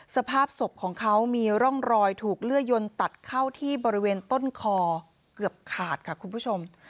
สภาพศพของเขามีร่องรอยถูกเลื่อยยนตัดเข้าที่บริเวณต้นคอเกือบขาดค่ะคุณผู้ชม